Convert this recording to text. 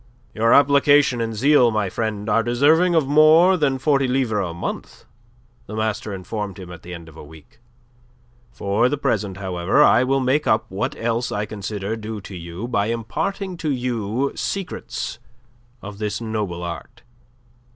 "Your application and zeal, my friend, are deserving of more than forty livres a month," the master informed him at the end of a week. "For the present, however, I will make up what else I consider due to you by imparting to you secrets of this noble art.